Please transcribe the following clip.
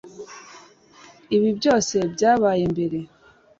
Ibi byose byabaye mbere